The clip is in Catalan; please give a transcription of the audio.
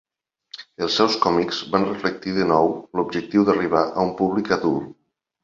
Els seus còmics van reflectir de nou, l'objectiu d'arribar a un públic adult.